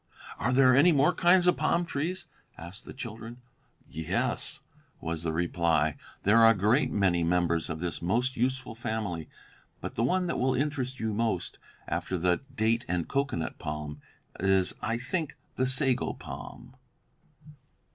"Are there any more kinds of palm trees?" asked the children. "Yes," was the reply; "there are a great many members of this most useful family, but the one that will interest you most, after the date and cocoanut palm, is, I think, the sago palm."